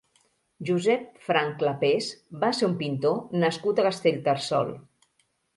Josep Franch-Clapers va ser un pintor nascut a Castellterçol.